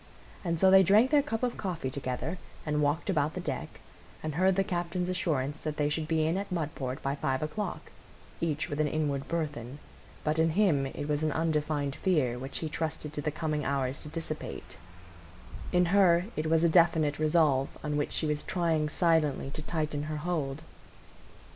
And so they drank their cup of coffee together, and walked about the deck, and heard the captain's assurance that they should be in at Mudport by five o'clock, each with an inward burthen; but in him it was an undefined fear, which he trusted to the coming hours to dissipate; in her it was a definite resolve on which she was trying silently to tighten her hold.